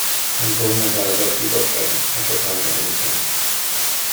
Mae'n fwy nag ailgylchu dodrefn a siopau elusen